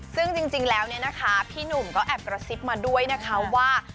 ซึ่งจริงแล้วพี่หนุ่มก็แอบกระซิบมาด้วยว่า